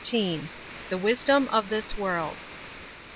THE WISDOM OF THIS WORLD.